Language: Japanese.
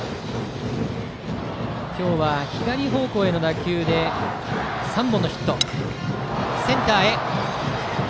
今日は左方向への打球で３本のヒット。